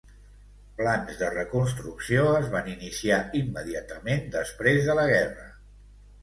Plans de reconstrucció es van iniciar immediatament després de la guerra.